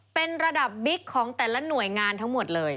เป็นระดับบิ๊กของแต่ละหน่วยงานทั้งหมดเลย